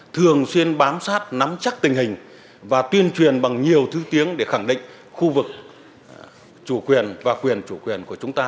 thường xuyên bám sát nắm chắc tình hình và tuyên truyền bằng nhiều thứ tiếng để khẳng định khu vực chủ quyền và quyền chủ quyền của chúng ta